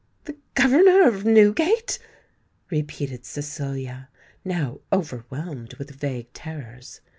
"The governor of Newgate!" repeated Cecilia, now overwhelmed with vague terrors.